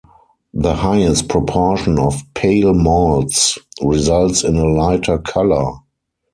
The highest proportion of pale malts results in a lighter color.